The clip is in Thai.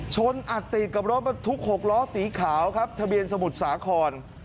ชนอัดติดกับรถบรรทุก๖ล้อสีขาวครับทะเบียนสมุทรสาคร